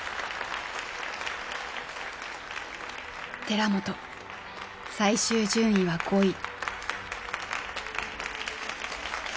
寺本最終順位は５位。